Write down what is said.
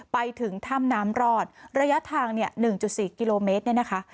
ไปถึงถ้ำน้ำรอดระยะทางเนี่ย๑๔กิโลเมตรเนี่ยนะคะ